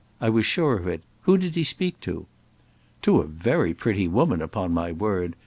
I was sure of it! Who did he speak to?" "To a very pretty woman, upon my word!